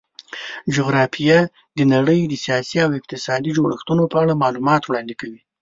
جغرافیه د نړۍ د سیاسي او اقتصادي جوړښتونو په اړه معلومات وړاندې کوي.